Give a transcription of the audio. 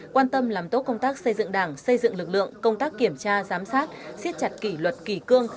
quan tâm làm tốt công tác xây dựng đảng xây dựng lực lượng công tác kiểm tra giám sát xiết chặt kỷ luật kỳ cương